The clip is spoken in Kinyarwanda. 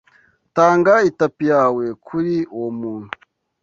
Tanga itapi yawe kuri uwo muntu.